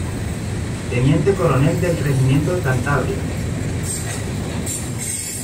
Teniente Coronel del Regimiento de Cantabria.